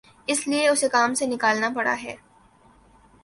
اس لیے اُسے کام سے نکالنا پڑا ہے